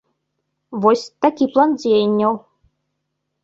Вось такі план дзеянняў.